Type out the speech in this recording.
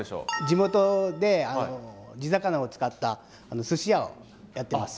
地元で地魚を使ったすし屋をやってます。